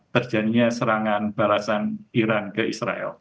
terjadinya serangan balasan iran ke israel